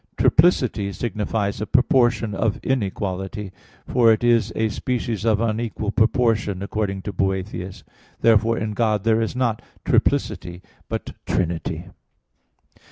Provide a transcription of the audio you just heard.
"Triplicity" signifies a proportion of inequality; for it is a species of unequal proportion, according to Boethius (Arithm. i, 23). Therefore in God there is not triplicity, but Trinity.